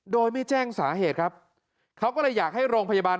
โดยไม่แจ้งสาเหตุครับเขาก็เลยอยากให้โรงพยาบาล